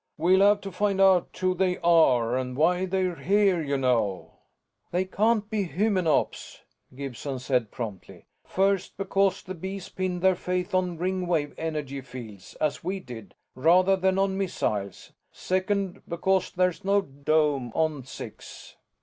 "We'll have to find out who they are and why they're here, you know." "They can't be Hymenops," Gibson said promptly. "First, because the Bees pinned their faith on Ringwave energy fields, as we did, rather than on missiles. Second, because there's no dome on Six."